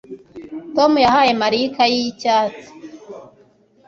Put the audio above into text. Tom yahaye Mariya ikaye yicyatsi